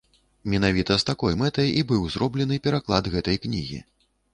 Менавіта з такой мэтай і быў зроблены пераклад гэтай кнігі.